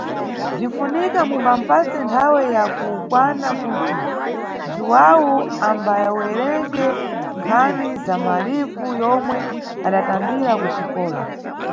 Bzinʼfunika mumbamʼpase nthawe ya kukwana kuti Jhuwawu ambawerenge nkhani za malivu yomwe adatambira kuxikola.